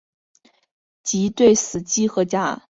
即对死机和假死机的判断存在各人间的特异性。